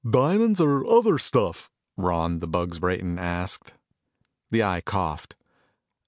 "Diamonds or other stuff?" Ron "The Bugs" Brayton asked. The Eye coughed.